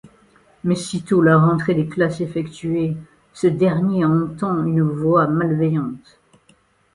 Mais sitôt la rentrée des classes effectuée, ce dernier entend une voix malveillante.